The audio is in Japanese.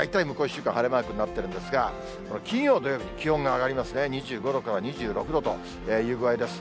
１週間晴れマークになってるんですが、金曜、土曜に気温が上がりますね、２５度から２６度という具合です。